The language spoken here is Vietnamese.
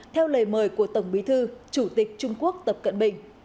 theo lời mời của tổng bí thư chủ tịch trung quốc tập cận bình